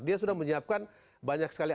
dia sudah menyiapkan banyak sekali